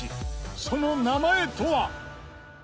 その名前とは？